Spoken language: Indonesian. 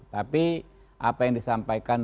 tapi apa yang disampaikan